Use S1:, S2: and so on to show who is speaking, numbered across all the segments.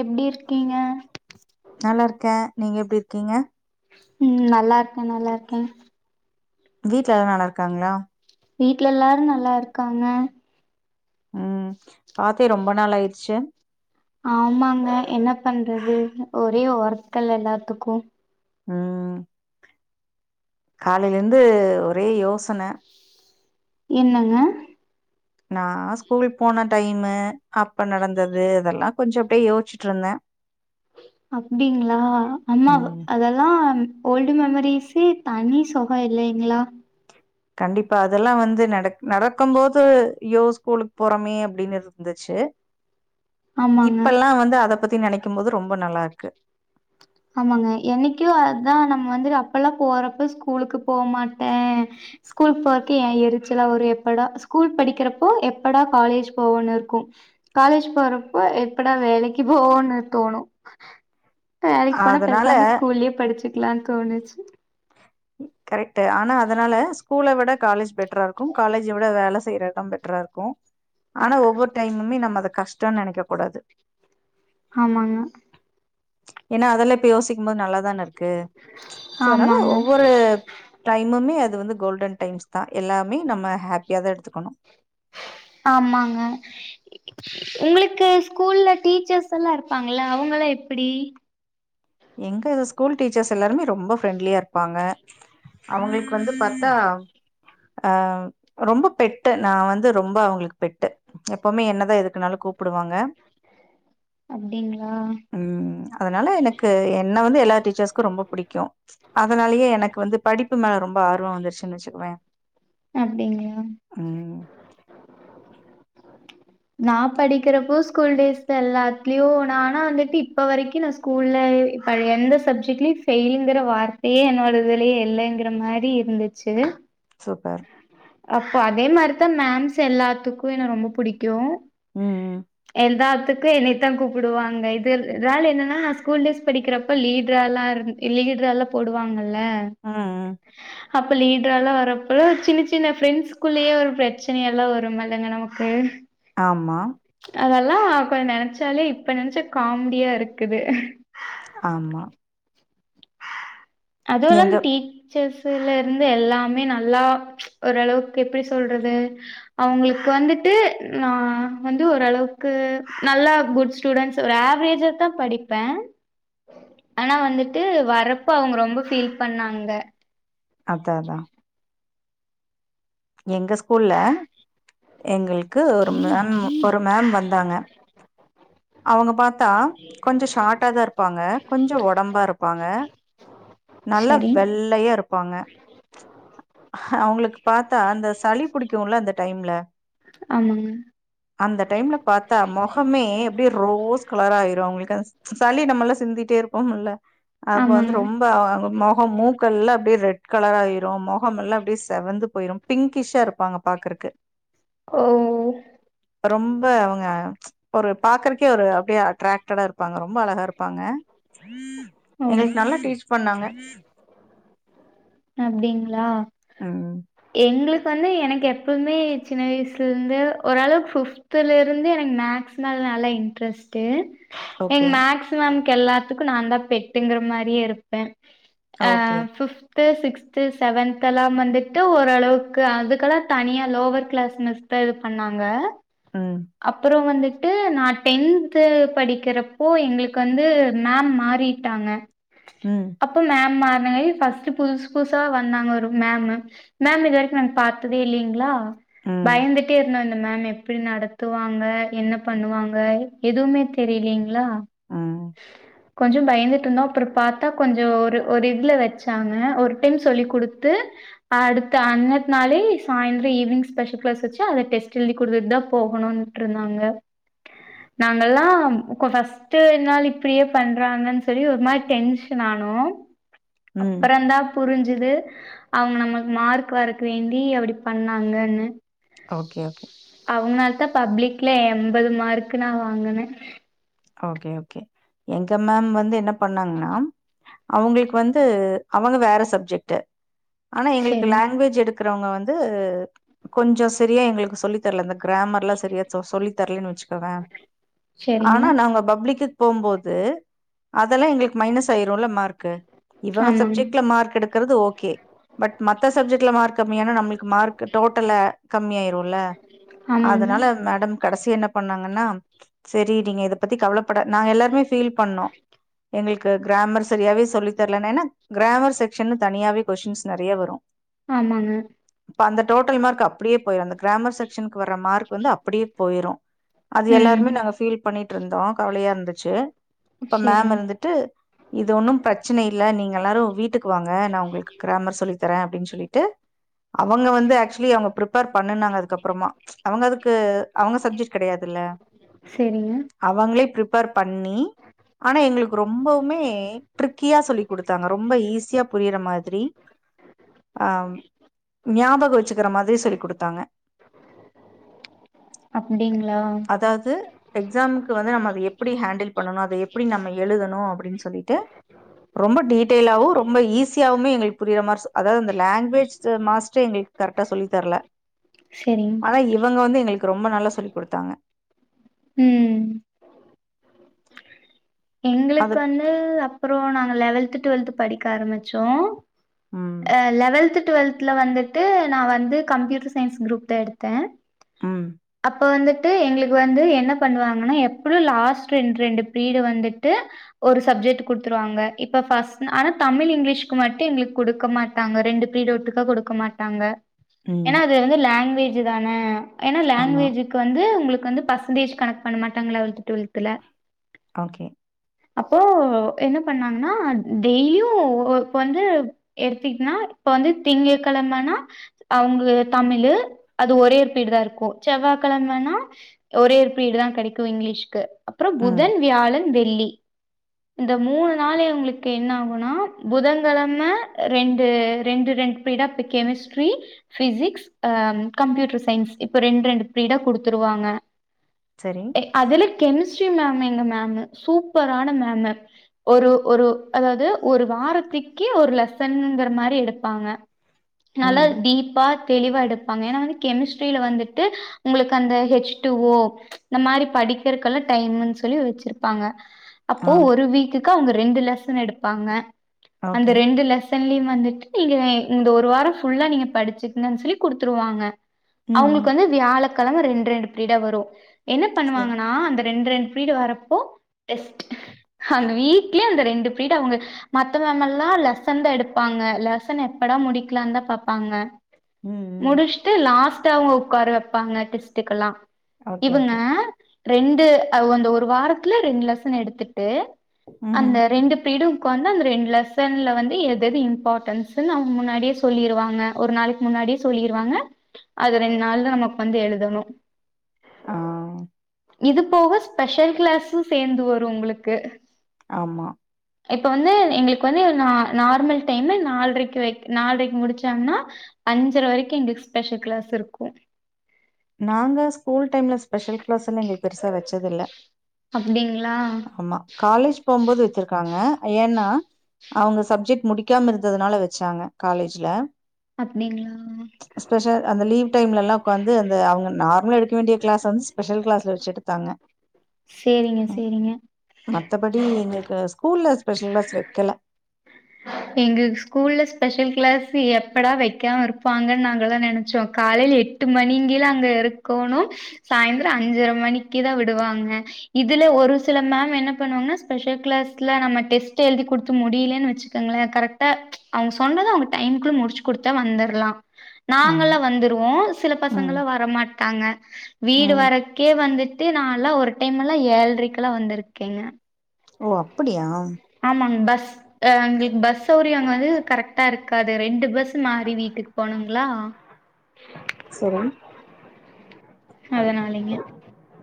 S1: எப்டி இருக்கீங்க
S2: நல்லா இருக்கே நீங்க எப்டி இருக்கீங்க
S1: ம் நல்லா இருக்கே நல்லா இருக்கே
S2: வீட்ல எல்லாரு நல்லா இருக்காங்ளா
S1: வீட்ல எல்லாரு நல்லா இருக்காங்க
S2: ம் பாத்தே ரொம்ப நாள் ஆய்ருச்சி
S1: ஆமாங்க என்ன பண்றது ஒரே ஒர்க்கள் எல்லாத்துக்கு
S2: ம் காலேல இருந்து ஒரே யோசன
S1: என்னங்க
S2: நா ஸ்கூல் போன டைமு அப்ப நடந்தது இதெல்லா கொஞ்சோ அப்டே யோஸ்சிட்டு இருந்தே
S1: அப்டிங்ளா அம்மா
S2: ம்.
S1: அதெல்லா ஓல்ட் மெமரிஸி தனி சொகோ இல்லைங்ளா
S2: கண்டிப்பா அதெல்லா வந்து நடக் நடக்கும் போது ஐயோ ஸ்கூலுக் போறமே அப்டின்னு இருந்திச்சு
S1: ஆமாங்க
S2: இப்பெல்லா வந்து அத பத்தி நெனைக் கும் போது ரொம்ப நல்லா இருக்கு
S1: ஆமாங்க என்னைக்கு அதா நம்ம வந்து அப்பல்லா போறப்ப ஸ்கூலுக்கு போமாட்டே ஸ்கூல் போறக்கே ஏ எரிச்சலா வரு எப்படா ஸ்கூல் படிக்கறப்போ எப்படா காலேஜ் போவோன்னு இருக்கு காலேஜ் போறப்போ எப்படா வேலைக்கு போவோன்னு தோணு வேலைக்கு போனா
S2: அதனால
S1: பேசாம ஸ்கூல்லே படிச்சிக்லான் தோணுச்சி
S2: கரெக்ட் ஆனா அதனால ஸ்கூல விட காலேஜ் பெட்ரா இருக்கு காலேஜ விட வேல செய்ற எடோ பெட்டரா இருக்கு ஆனா ஒவ்வொரு டைமுமே நம்ம அத கஷ்டம்னு நெனைக்க கூடாது
S1: ஆமாங்க
S2: ஏனா அதெல்லா இப்ப யோசிக்கும் போது நல்லாதான இருக்கு சோ அதனால
S1: ஆமாங்க
S2: ஒவ்வொரு டைமுமே அது வந்து கோல்டன் டைம்ஸ் தா எல்லாமே நம்ம ஹேப்பியா தா எடுத்துக்கணு
S1: ஆமாங்க உங்ளுக்கு ஸ்கூல்ல டீச்சர்ஸ் எல்லா இருப்பாங்கள அவுங்கலா எப்டி
S2: எங்க ஸ்கூல் டீச்சர்ஸ் எல்லாருமே ரொம்ப ஃப்ரெண்ட்லியா இருப்பாங்க அவுங்களுக்கு வந்து பாத்தா அ ரொம்ப பெட்டு நா வந்து ரொம்ப அவுங்ளுக் பெட்டு எப்பவுமே என்னதா எதுக்குனாலு கூப்புடுவாங்க
S1: அப்டிங்ளா
S2: ம் அதனால எனக்கு என்ன வந்து எல்லா டீச்சர்ஸ்கு ரொம்ப புடிக்கு அதனாலயே எனக்கு வந்து படிப்பு மேல ரொம்ப ஆர்வோ வந்துருச்சின் வச்சுக்குவே
S1: அப்டிங்ளா
S2: ம்
S1: நா படிக்கிறப்போ ஸ்கூல் டேஸ்ல எல்லாத்துலயு நா ஆனா வந்துட்டு இப்ப வரைக்கி நா ஸ்கூல்ல இப்ப எந்த சப்ஜெக்ட்லயு ஃபெயில் இங்கிற வார்த் தேயே என்னோட இதுலயே இல்லைங்கிற மாரி இர்ந்திச்சி
S2: சூப்பர்
S1: அப்போ அதே மாரிதா மேம்ஸ் எல்லாத்துக்கு என்ன ரொம்ப புடிக்கு
S2: ம்
S1: எந்தாத்துக் க்கு என்னயத்தா கூப்பிடுவாங்க இது இதனால என்னன்னா ஸ்கூல் டேஸ் படிக்கிறப்ப லீட்ராலா இருந்தே இலீட்ரால்லா போடுவாங்கல்ல
S2: ம் ம்
S1: அப்ப லீட்ராலா வரப்போ சின்ன சி சின்ன பிரெண்ட்ஸ் குள்ளேயே ஒரு பிரச்சனையெல்லா வருமல்லங்க நமக்கு
S2: ஆமா
S1: அதெல்லா அப்ப நெனச்சாலே இப்ப நெனச்சா காம்டியா இருக்குது
S2: ஆமா
S1: அதுவுல்லமா
S2: எங்க
S1: டீ ச்சர்ஸுலர்ந்து எல்லாமே நல்லா ஓரளவுக்கு எப்டி சொல்றது அவுங்களுக்கு வந்துட்டு நா வந்து ஓரளவுக்கு நல்லா குட்ஸ் ஸ்டூடெண்ட்ஸ் ஒரு ஆவ்ரேஜா தா படிப்பே ஆனா வந்து ட்டு வரப்ப அவுங்க ரொம்ப ஃபீல் பண்ணாங்க
S2: அதா அதா எங்க ஸ்கூல்ல எங்கிள்க்கு ஒரு மேம் ஒரு மேம் வந்தாங்க அவங்க பாத்தா கொஞ்ச ஷாட்டாதா இருப்பாங்க கொஞ்ச ஒடம்பா இருப்பாங்க நல்ல
S1: சரி
S2: வெள்ளையா இருப்பாங்க அவுங்ளுக்கு பாத்தா அந்த சளி புடிக்குல அந்த டைம்ல
S1: ஆமாங்க
S2: அந்த டைம்ல பாத்தா மொகமே அப்டியே ரோஸ் கலராயிரு அவுங்ளுக்கு சளி நம்மல்லா சிந்திட்டே இருப்போமுல்ல அப்ப வந்து
S1: ஆமாங்க
S2: ரொம்ப அவங் மொகம் மூக்கல்லா அப்டியே ரெட் கலராயிரு மொ மொகமல்லாம் அப்டியே செவந்து போயிரும் பிங்கிஷ்ஷா இருப்பாங்க பாக்குறக்கு
S1: ஓ ஓ
S2: ரொம்ப அவங்க ஒரு பாக்கறக்கே ஒரு அப்டியே அட்ராக்டடா இரு பாங்க ரொம்பா அழகாருப்பாங்க
S1: ஓ
S2: எங்களுக்கு நல்லா டீச் பண்ணாங்க
S1: அப்டிங்ளா
S2: ம்
S1: எங்களுக்கு வந்து எனக்கு எப்பவுமே சின்ன வயசுல இருந்து ஓரளவு ஃபிப் த்துலேர்ந்து எனக்கு மேக்ஸ் மேல நல்லா இன்ட்ரெஸ்ட்டு எங்க
S2: ஓகே
S1: மேக்ஸ் மேம் எல்லாத்துக்கும் நான் தான் பெட்டுங்கிற மாறியே இருப்பேன் அ
S2: ஓகே
S1: ஃபிப் த்து சிக்ஸ்த்து செவன்த்தெல்லாம் வந்துட்டு ஓரளவுக்கு அதுக்கெல்லாம் தனியா லோவர் கிளாஸ் மிஸ் த இது பண்ணாங்க
S2: ம்
S1: அப்புறம் வந்துட்டு நான் டென்த்து படிக்கிறப்போ எங்களுக்கு வந்து மேம் மாறிட்டாங்க
S2: ம்
S1: அப்போ மேம் மாற்னாங்க ஃபஸ்ட்டு புதுசு புதுசா வந்தாங்க ஒரு மேம்மு மேம் இதுவரைக்கும் நாங்க பாத்ததே இல்லிங்களா
S2: ம்
S1: பயந்துட்டே இருந்தோம் இந்த மேம் எப்டி நட த்துவாங்க என்ன பண்ணுவாங்க எதுமே தெரியலீங்களா
S2: ம்
S1: கொஞ்சம் பயந்துட்டுருந்தோம் அப்புறம் பாத்தா கொஞ்சம் ஒரு ஒரு இதுல வச்சாங்க ஒரு டைம் சொல்லி குடுத்து அடுத்த அன்னத்து நாளே சாயந்தரம் ஈவினிங் ஸ்பெஷல் கிளாஸ் வச்சு அத டெஸ்ட் எழுதி கொடுத்துட்டு தா போ போணுட்ருந்தாங்க நாங்கல்லாம் அப்ப ஃபஸ்ட் ட்டு ஒரு நாள் இப்டியே பண்றாங்கன்னு சொல்லி ஒரு மாறி டென்ஷன் ஆனோ
S2: ம்
S1: அப்பறம்ந்தான் புரிஞ்சிது அவங்க நம்ளுக்கு மார்க் வரக வேண்டி அப்டி பண்ணாங்கன்னு
S2: ஓகே ஓகே
S1: அவங்கனால தான் பப்ளிக்ல எண்பது மார்க் நா வாங்குனே
S2: ஓகே ஓகே எங்க மேம் வந்து என்ன பண்ணாங்கன்னா அவங்களுக்கு வந்து அவங்க வேற சப்ஜெக்ட்டு ஆனா எங்களுக்கு
S1: செரிங்
S2: லாங்குவேஜ் எடுக்குறவங்க வந்து கொஞ்சம் சரியா எங்களுக்கு சொல்லித்தரல அந்த கிராமர்லாம் சரியா சொ சொல்லி தரலன்னு வச்சுக்கவே
S1: செரிங்க
S2: னா நாங்க பப்ளிக்கு போம்போது அதெல்லாம் எங்களுக்கு மைனஸ் ஆயிருல மார்க்கு இவங்க
S1: ஆமாங்
S2: சப்ஜெட்ல மார்க் எடுத்து கிறது ஓகே பட் மத்த சப்ஜெக்ட்ல மார்க் கம்மியான நம்மளுக்கு மார்க் டோட்டல கம்மியா ஆயிரே ல
S1: ஆமாங்க
S2: அதனால மேடம் கடைசியா என்ன பண்ணாங்கன்னா செரி நீங்க பத்தி கவலப்பட நாங்க எல்லாருமே ஃபீல் பண்ணோ எங்களுக்கு கிராமர் செரியாவே சொல்லித்தரலன்னு ஏன்னா கிராமர் செக்ஷனு தனியாவே கொஷின்ஸ் நெறய வரு
S1: ஆமாங்க
S2: இப்ப அந்த டோட்டல் மார்க் அப்டியே போயிரு அந்த கிராமர் செக் ஷனுக்கு வர மார்க் வந்து அப்பிடியே போயிரு அது
S1: ம்
S2: எல்லாருமே நாங்க ஃபீல் பண்ணிட்டிருந்தோ கவலையா இருந்துச்சு அப்ப மேம்
S1: செரிங்
S2: வந் ந்துட்டு இது ஒன்னும் பிரச்சன இல்ல நீங்க எல்லாரு வீட்டுக்கு வாங்க நா உங்களுக்கு க்ரமர் சொல்லி தரே அப்பிடின்னு சொல்லிட்டு அவங்க வந்து ஆக்சுலி அவங் பிர் பிரேபர் பண்னாங்க அதுக் அப்றமா அவங்க அதுக்கு அவங்க சப்ஜெக்ட் கிடையாதுல்ல
S1: செரிங்க
S2: அவங்ளே பிப்பேர் பண்ணி ஆனா எங்களுக்கு ரொம் ரொம்பவுமே ட்ரிக்கியா சொல்லி குடுத்தாங்க ரொம்ப ஈஸியா புரியிற மாதிரி ஆ ஞாபக வச்சுக்கற மாரி சொல்லி குடுத்தாங்க
S1: அப்டிங்ளா
S2: அதாது எக்ஸாம்க்கு வந்து நம்ம அத எப்பிடி ஹேண்டில் பண்ணணே அத எப்பிடி நம்ம எழுதனு அப்டின் சொல்லிட்டு ரொம்ப டீட்டெயலாவு ரொம்ப ஈஸியாவுமே எங்களுக்கு புரியிற மாரி அதாவது அந்த லாங்குவேஜ் மாஸ்ட்ரே எங்களுக் கரெக்டா சொல்லி தர்ல
S1: செரிங்
S2: ஆனா இவங்க வந்து எங்களுக்கு ரொம்ப நல்லா சொல்லி கொடுத்தாங்க
S1: ம் எங்களுக்கு
S2: அது
S1: வந்து அப்போறோ நாங்க லெவல்த் டுவெல்த் படிக்க ஆரம்பிச்சோ
S2: ம்
S1: ஆ லெவத் டுவெல் த்ல வந்துட்டு நா வந்து கம்ப்பியூட்டர் சயின்ஸ் குரூப் தா எடுத்தே
S2: ம்
S1: அப்ப வந்துட்டு எங்ளுக்கு வந்து என்ன பண்ணுவாங்கன்னா எப்லு லாஸ்ட் ரெண்டு ரெண்டு பீர்டு வந்துட்டு ஒரு சப்ஜெட் குடுத்துருவாங்க இப்ப பஸ் ஆனா தமிழ் இங்கிலீஷ்கு மட்டு எங்களுக்கு குடுக்க மாட் டாங்க ரெண்டு பீர்டு ஒட்டுக்கா கொடுக்க மாட்டாங்க ஏன்னா
S2: ம்
S1: அது வந்து லாங்குவேஜ் தான ஏன்னா
S2: ஆமா
S1: லாங்குவேஜு க்கு வந்து உங்களுக்கு வந்து பஸ்ன்டேஜ் கணக் பண்ண மாட்டாங்க லெவல்த் டுவல்த்துல
S2: ஓகே
S1: அப்போ என்ன பண்ணாங்னா டெய்லியு இப்ப வந்து எடுத்திக்ன்னா இப்ப வந்து திங்கட்கிழம நா அவுங்கு தமிழு அது ஒரே பீர்டு தா இருக்கு செவ்வ கிழாமனா ஒரே பீர்டு தா கெடைக்கு இங்கிலீஷ்கு அப்றோ
S2: ம்
S1: புதன் வியாழன் வெள்ளி இந்த மூணு நாள் எங்ளுக்கு என்ன ஆகுனா புதங்கிழம ரெண்டு ரெண்டு ரெண் பிடப் இப் கெமிஸ்ட்ரி பிசிக்ஸ் அ கம்ப்யூட்டர் சயின்ஸ் இப்ப ரெண் ரெண்டு ப்ரீடா குடுத்துருவாங்க
S2: சரி
S1: அதுல கெமிஸ்ட்ரி மேம் எங்க மேமு சூப்பரான மேமு ஒரு ஒரு அதாது ஒரு வாரத்துக்கே ஒரு லெசன்ங்கிற மாரி எடுப்பாங்க நல்லா
S2: ம்
S1: டீப்பா தெளிவா எடுப்பாங்க ஏன்னா கெமிஸ்ட்ரியில வந்துட் டு உங்குளுக்கு அந்த எச் டூ ஓ இந்த மாரி படிக்கிறக்கெல்லா டைம்ன்னு சொல்லி வச்சிருப்பாங்க
S2: ஆ
S1: அப்போ ஒரு வீக்குக்கு அவுங்க ரெண்டு லெசன் எடுப்பாங்க அந்த
S2: ஓகே
S1: ரெண்டு லெ சன்லையு வந்துட்டு நீங்க இந்த ஒரு வாரோ ஃபுல்லா நீங்க படிச்சிங்கன் சொல்லி குடுத்துருவாங்க
S2: ம் ம்
S1: அவுங்களுக்கு வந்து வியாழக்கிழம ரெண்டு ரெண்டு பீர்ட வரு என்ன
S2: சரி
S1: பண்ணுவாங்கனா அந்த ரெண் ரெண்டு ப்ரீடு வரப்போ டெஸ்ட்டு அந்த வீக்லே அந்த ரெண்டு ப்ரீடு அவுங்க மத்த மேமெல்லா லெசன் தா எடுப்பாங்க லெசன் எப்படா முடிக்லான் தா பாப்பாங்க
S2: ம் ம்
S1: முடிஸ்ட்டு லாஸ்ட்டா அவுங்க உக்கார வெப்பாங்க டெஸ்ட்டு கல்லா
S2: ஓகே
S1: இவுங்க
S2: ஓகே
S1: ரெண்டு அ அந்த ஒரு வாரத்துல ரெண்டு லெசன் எடுத்துட்டு
S2: ம்ஹ்ம்
S1: அந்த ரெண்டு ப்ரீடு ஒக்காந்து அந்த ரெண்டு லெசன்ல வந்து எத எது இம்பாட்டன்ஸ்னு அவுங்க முன்னாடியே சொல்லிருவாங்க ஒரு நாளைக் முன்னாடியே சொல்லிருவாங்க அது ரெண்ட் நாள் தா நம்ம ஒக்காந்து எழுதணு
S2: ஆ
S1: இது போக ஸ்பெஷல் கிளாஸ்சு சேந்து வரு உங்களுக்கு
S2: ஆமா
S1: இப்ப வந்து எங்களுக்கு வந்து ந நார்மல் டைம் நால்ரைக்கு வை நால்ரைக்கு முடிச்சான்னா அஞ்சர வரைக்கும் எங்களுக்கு ஸ்பெஷல் கிளாஸ் யிருக்கு
S2: நாங்க ஸ்கூல் டைம்ல ஸ்பெஷல் கிளாஸ் எல்லா எங்களுக்கு பெருசா வச்சது இல்ல
S1: அப்டிங்களா
S2: ஆமா காலேஜ் போம்போது வச்சிருக்காங்க ஏன்னா அவுங்க சப்ஜெட் முடிக்காம இருந்ததுனால வச்சாங்க காலேஜ்ல
S1: அப்டிங்களா
S2: ஸ்பெஷல் அந்த லீவ் டைம்ல எல்லா உக்காந்து வந்து அவங்க நார்மலா எடுக்க வேண்டிய கிளாஸ் வந்து ஸ்பெஷல் கிளாஸ்ல வச்சு எடுத்தாங்க
S1: சேரிங்க
S2: ம்.
S1: சேரிங்க
S2: மத்தபடி எங்களுக்கு ஸ்கூல்ல ஸ்பெஷல் கிளாஸ் வக்கல
S1: எங்களுக்கு ஸ்கூல்ல ஸ்பெஷல் கிளாஸ் எப்படா வைக்காம இருப்பாங்கன்னு நாங்கள்லா நெனைச்சோ காலேல எட் டூ மணிங்கேல அங்க இருக்கோணும் சாயந்திரம் அஞ்சர மணிக்கு தா விடுவாங்க இதுல ஒரு சில மேம் என்ன பண்ணுவாங்கனா ஸ்பெஷல் கிளாஸ்ல நம்ம டெஸ்ட் எழுதி குடுத்து முடியலனு வச் ங்களா கரெக்டா அவங்க சொன்னத அவுங்க டைம் குள்ள முடிச்சு குடுத்தா வந்தரலா நாங்களா
S2: ஆமா
S1: வந்துருவோம் சில
S2: ம்
S1: பசங்கலா வரமாட்டாங்க வீடு
S2: ம்
S1: வரக்கே வந்துட்டு நாலா ஒரு டைம் எல்லா ஏழ்ரைக்கல்லா வந்திருக்கேங்க
S2: ஓ அப்புடியா
S1: ஆமாங்க பஸ் எங்களுக்கு பஸ் சௌரியங்கது கரெக்ட்டா இருக்காது ரெண்டு பஸ் மாறி வீட்டுக்கு போணுங்களா
S2: சரி
S1: அதுனாலிங்க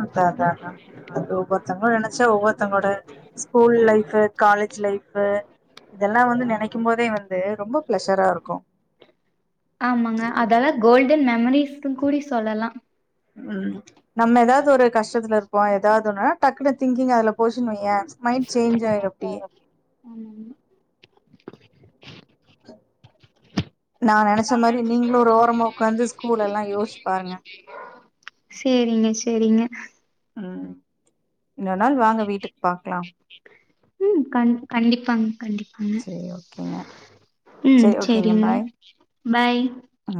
S2: அதா தா தா அது ஒவ்வொருத்தங்க நினைச்சா ஒவ்வொருத்தங்கோட ஸ்கூல் லைஃப் காலேஜ் லைஃப் இதல்லா வந்து நினைக்கும் போதே வந்து ரொம்ப பிளஷரா ருக்கும்
S1: ஆமாங்க அதெல்லா கோல்டன் மெமரீஸ்ன் கூடி சொல்லலா
S2: ம் நம்ம ஏதாது ஒரு கஷ்டத்துல இருப்போம் ஏதாதுன்னு டக்குனு திங்கிங் அதுல போச்சுன்னு வையே மைண்ட் சேஞ்சாயிடும் அப்டியே
S1: ஆமா மா
S2: நா நினைச்ச மாரி நீங்களும் ஒரு ஓரமா ஒக்காந்து வந்து ஸ்கூல் ல்லாம் யோச்சு பாருங்க
S1: சேரிங்க சேரிங்க
S2: ம் இன்னோர் நாள் வாங்க வீட்டுக்கு பாக்கலா
S1: ம் கண் கண்டிப்பாங்க கண்டிப்
S2: சேரி ஓகேங்க
S1: ம்
S2: சேரி
S1: சரிங்க பாய்
S2: ஆ